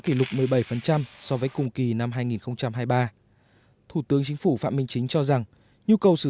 kỷ lục một mươi bảy so với cùng kỳ năm hai nghìn hai mươi ba thủ tướng chính phủ phạm minh chính cho rằng nhu cầu sử